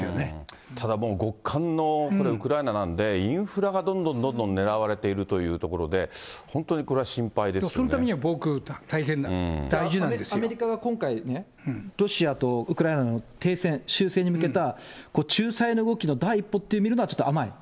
もう、極寒のこれ、ウクライナなんで、インフラがどんどんどんどん狙われているというところで、本当にそのためには防空、大変大事アメリカが今回ね、ロシアとウクライナの停戦、終戦に向けた、仲裁の動きの第一歩って見るのはちょっと甘い？